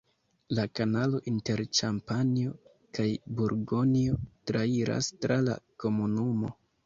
La kanalo inter Ĉampanjo kaj Burgonjo trairas tra la komunumo.